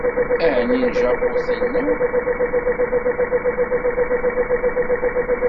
Ɛni n Japu tina?